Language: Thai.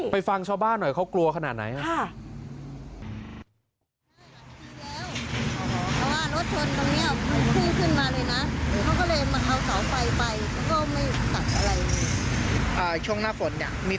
ฟังชาวบ้านหน่อยเขากลัวขนาดไหนครับ